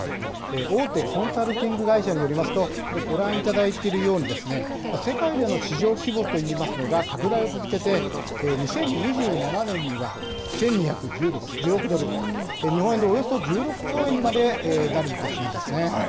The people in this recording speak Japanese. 大手コンサルティング会社によりますと、これ、ご覧いただいているようにですね、世界での市場規模といいますのが拡大を続けて、２０２７年には１２１０億ドル、日本円でおよそ１６兆円にまでなる見通しなんですね。